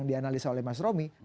dianalisa oleh mas romi